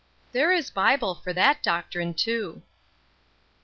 "THERE is Bible for that doctrine too."